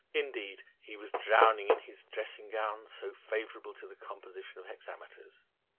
Indeed, he was drowning in his dressing gown, so favourable to the composition of hexameters.